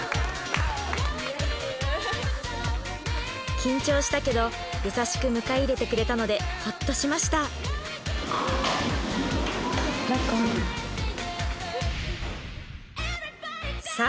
緊張したけど優しく迎え入れてくれたのでホッとしましたロコさあ